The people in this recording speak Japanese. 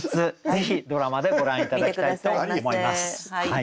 ぜひドラマでご覧頂きたいと思います。